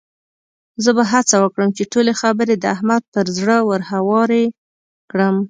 زه به هڅه وکړم چې ټولې خبرې د احمد پر زړه ورهوارې کړم.